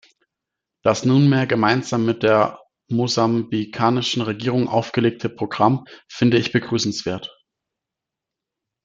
Das nunmehr gemeinsam mit der mosambikanischen Regierung aufgelegte Programm finde ich begrüßenswert.